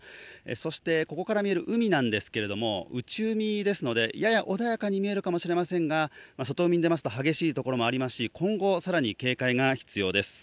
そして、ここから見える海なんですけれども、内海ですので、やや穏やかに見えるかもしれませんが、外海に出ますと激しいところもありますし、今後更に警戒が必要です。